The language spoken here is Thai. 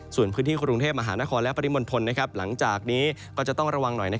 ส่วนพื้นที่กรุงเทพมหานครและปริมณฑลหลังจากนี้ก็จะต้องระวังหน่อย